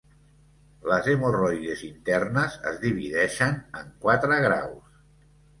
Les hemorroides internes es divideixen en quatre graus.